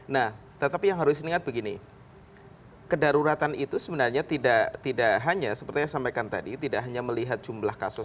nah tetapi yang harus diingat begini kedaruratan itu sebenarnya tidak hanya seperti yang saya sampaikan tadi tidak hanya melihat jumlah kasus